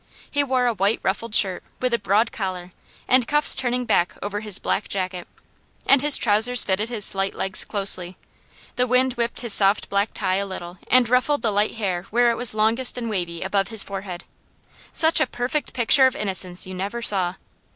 He wore a white ruffled shirt with a broad collar, and cuffs turning back over his black jacket, and his trousers fitted his slight legs closely. The wind whipped his soft black tie a little and ruffled the light hair where it was longest and wavy above his forehead. Such a perfect picture of innocence you never saw.